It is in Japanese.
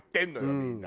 みんな。